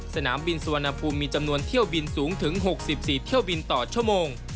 สนามบินสุวรรณภูมิมีจำนวนเที่ยวบินสูงถึง๖๔เที่ยวบินต่อชั่วโมง